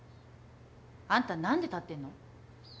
あんた何で立ってんの？